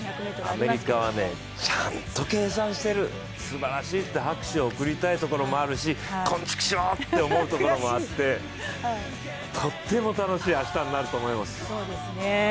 アメリカはちゃんと計算してる、すばらしいって拍手を送りたいところもあるし、こんちくしょう！と思うところもあって、とても楽しい明日になると思います。